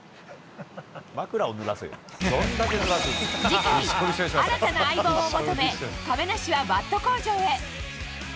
次回、新たな相棒を求め、亀梨はバット工場へ。